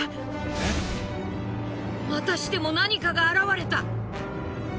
またしても何かが現れた。